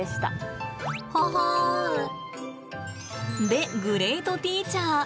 で、グレートティーチャー。